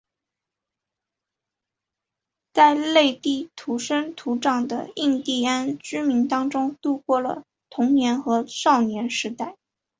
在内地土生土长的印第安居民当中度过了童年和少年时代。